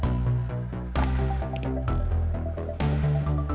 sekarang saya mau siap siap ngeliat indahnya bawah laut pulau camba camba